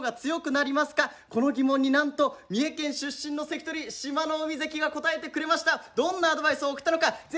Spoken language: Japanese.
なんと三重県出身の関取志摩ノ海関が答えてくれました。